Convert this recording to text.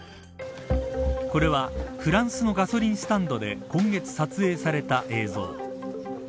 これはフランスのガソリンスタンドで今月撮影された映像。